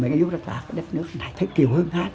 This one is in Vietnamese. mình yêu ra cả đất nước này thấy kiều hương hát